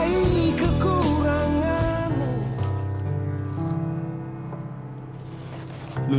oh kalau jonny boleh